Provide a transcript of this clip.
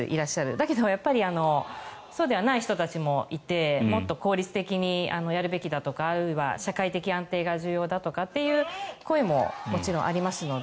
だけどそうではない人たちもいてもっと効率的にやるべきだとかあるいは社会的安定が重要だという声ももちろんありますので。